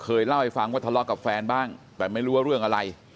เล่าให้ฟังว่าทะเลาะกับแฟนบ้างแต่ไม่รู้ว่าเรื่องอะไร